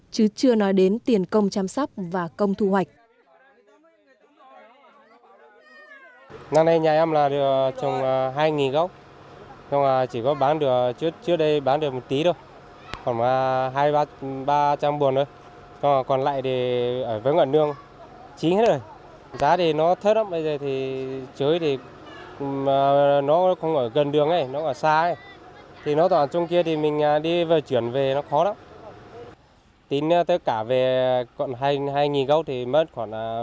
chứ chưa nói đến tiền công chăm sóc và công thu hoạch